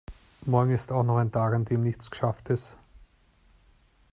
Morgen ist auch noch ein Tag an dem nichts geschafft ist.